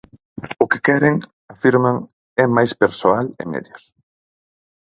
O que queren, afirman, é máis persoal e medios.